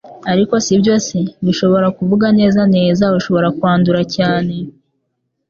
ariko sibyose - bishobora kuvuga neza neza ushobora kwandura cyane